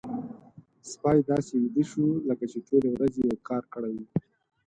سپی داسې ویده شو لکه چې ټولې ورځې يې کار کړی وي.